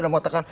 dan mau tekan